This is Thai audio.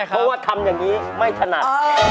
เพราะว่าทำอย่างนี้ไม่ถนัด